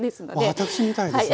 私みたいです。